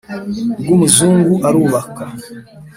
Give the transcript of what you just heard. rw'umuzungu arubaka.